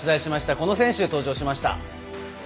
この選手が登場しました。